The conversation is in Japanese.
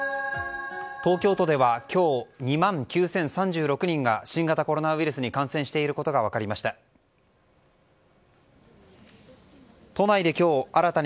東京都では今日２万９０３６人が新型コロナウイルスに感染していることが分かりました。